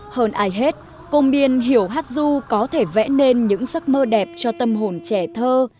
hơn ai hết cô miên hiểu hát ru có thể vẽ nên những giấc mơ đẹp cho tâm hồn trẻ thơ